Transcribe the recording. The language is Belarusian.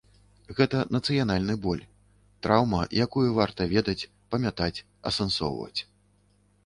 Гэта нацыянальны боль, траўма, якую варта ведаць, памятаць, асэнсоўваць.